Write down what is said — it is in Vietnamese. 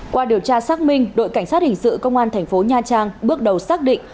qua điều tra xác minh đội cảnh sát hình sự công an thành phố nha trang bước đầu xác định